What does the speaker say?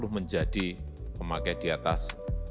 menjadi pemakai di atas satu delapan ratus